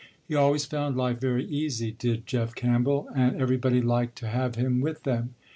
He always found life very easy did Jeff Campbell, and everybody liked to have him with them.